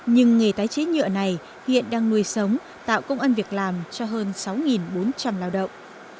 nhưng nghề tái chế nhựa này hiện đang nuôi sống tạo công an việc làm cho hơn sáu bốn trăm linh lao động